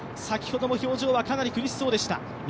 先ほども表情はかなり苦しそうでした。